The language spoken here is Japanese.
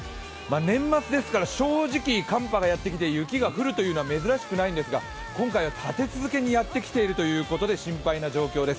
年末ですから正直、寒波がやってきて雪が降るというのは珍しくないんですが、今回は立て続けにやってきているということで心配な状況です。